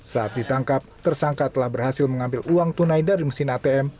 saat ditangkap tersangka telah berhasil mengambil uang tunai dari mesin atm rp satu dua ratus lima puluh